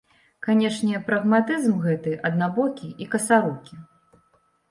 Канешне, прагматызм гэты аднабокі і касарукі.